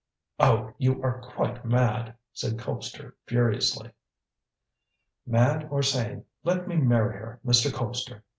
"Oh, you are quite mad!" said Colpster furiously. "Mad or sane, let me marry her, Mr. Colpster!"